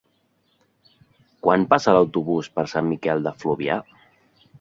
Quan passa l'autobús per Sant Miquel de Fluvià?